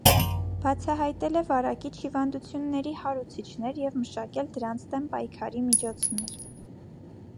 Բացահայտել է վարակիչ հիվանդությունների հարուցիչներ և մշակել դրանց դեմ պայքարի միջոցներ։